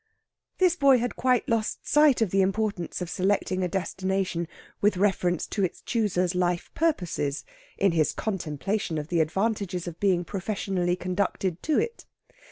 This boy had quite lost sight of the importance of selecting a destination with reference to its chooser's life purposes, in his contemplation of the advantages of being professionally conducted to it.